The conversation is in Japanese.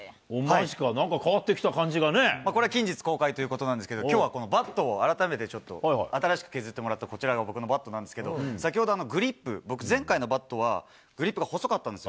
おお、まじか、これは近日公開ということなんですけど、きょうはこのバットを、改めてちょっと、新しく削ってもらったこちらが、僕のバットなんですけど、先ほどグリップ、僕、前回のバットは、グリップが細かったんですよ。